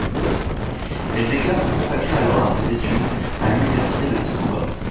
Elle déclare se consacrer alors à ses études à l'université de Tsukuba.